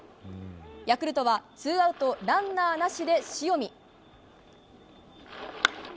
ヤクルトはツーアウトランナーなしで塩見。